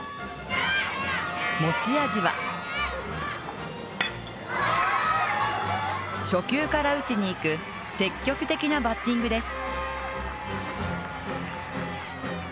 持ち味は、初球から打ちにいく積極的なバッティングです。